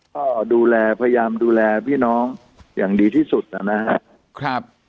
ก็ดูแลพยายามดูแลพี่น้องอย่างดีที่สุดนะครับ